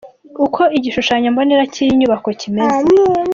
Uko igishushanyo mbonera cy’iyi nyubako kimeze.